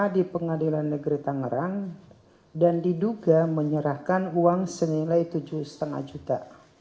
di pengadilan negeri tangerang dan diduga menyerahkan uang senilai tujuh lima juta